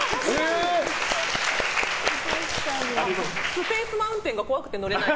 スペースマウンテンが怖くて乗れない。